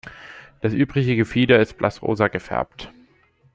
Das übrige Gefieder ist blassrosa gefärbt.